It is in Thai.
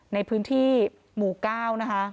ในพื้นที่หมูเก้า